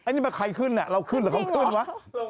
นี่เป็นใครขึ้นน่ะเราขึ้นหรือเขาขึ้นหรือวะจริงเหรอ